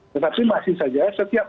tetapi masih saja setiap